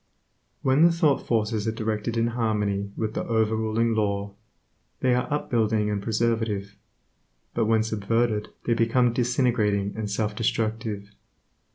When the thought forces are directed in harmony with the over ruling Law, they are up building and preservative, but when subverted they become disintegrating and self destructive.